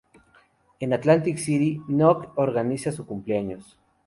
En Atlantic City, Nucky organiza su cumpleaños.